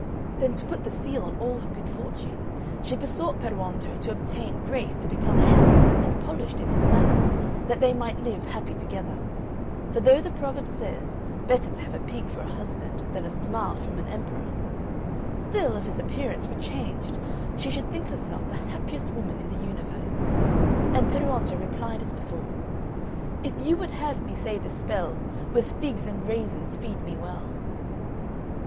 Then to put the seal on all her good fortune, she besought Peruonto to obtain grace to become handsome and polished in his manner, that they might live happy together; for though the proverb says, "Better to have a pig for a husband, than a smile from an emperor," still, if his appearance were changed, she should think herself the happiest woman in the universe. And Peruonto replied as before "If you would have me say the spell, With figs and raisins feed me well!"